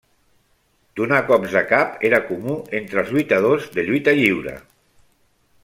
Donar cops de cap era comú entre els lluitadors de lluita lliure.